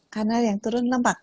karena yang turun lemak